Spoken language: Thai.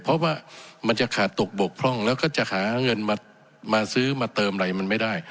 เพราะว่ามันจะขาดตกบกพร่องแล้วก็จะหาเงินมาซื้อมาเติมอะไรมันไม่ได้